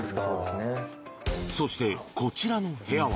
そして、こちらの部屋は。